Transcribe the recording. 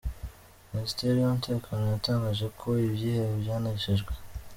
Minisiteri y’umutekano yatangaje ko ibyihebe byaneshejwe.